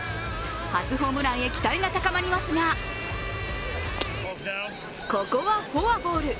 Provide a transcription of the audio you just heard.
初ホームランへ期待が高まりますがここはフォアボール。